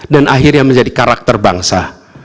dan akhirnya menjadi karakter bangsa